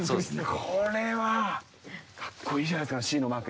これは、かっこいいじゃないですか、Ｃのマーク。